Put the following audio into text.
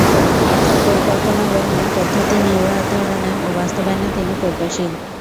অর্থাৎ পরিকল্পনা গ্রহণে, পদ্ধতি নির্ধারণে ও বাস্তবায়নে তিনি প্রজ্ঞাশীল।